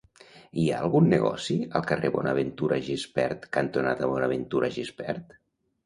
Hi ha algun negoci al carrer Bonaventura Gispert cantonada Bonaventura Gispert?